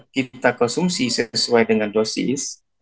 kita konsumsi sesuai dengan dosis